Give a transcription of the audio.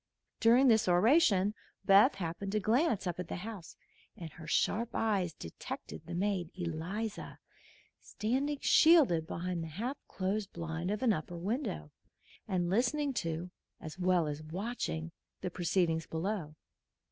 During this oration Beth happened to glance up at the house, and her sharp eyes detected the maid, Eliza, standing shielded behind the half closed blind of an upper window and listening to, as well as watching, the proceedings below.